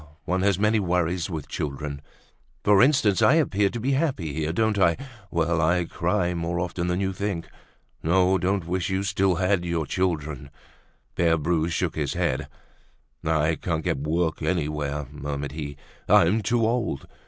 one has many worries with children! For instance, I appear to be happy here, don't I? Well! I cry more often than you think. No, don't wish you still had your children." Pere Bru shook his head. "I can't get work anywhere," murmured he. "I'm too old.